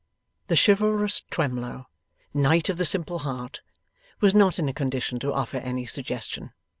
The chivalrous Twemlow, Knight of the Simple Heart, was not in a condition to offer any suggestion.